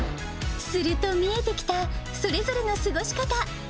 すると、見えてきたそれぞれの過ごし方。